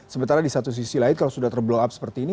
sementara di satu sisi lain kalau sudah terblow up seperti ini